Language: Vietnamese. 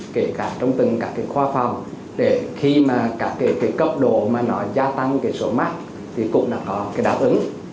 kể cả trong từng khoa phòng để khi mà cấp độ gia tăng số mắc thì cũng đã có đáp ứng